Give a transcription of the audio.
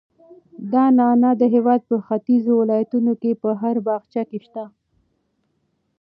دا نعناع د هېواد په ختیځو ولایتونو کې په هر باغچه کې شته.